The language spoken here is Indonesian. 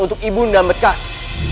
untuk ibu ndanget kasih